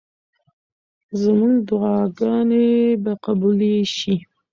زموږ دعاګانې به قبولې شي.